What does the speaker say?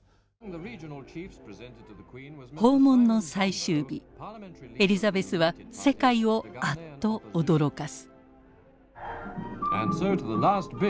訪問の最終日エリザベスは世界をあっと驚かす。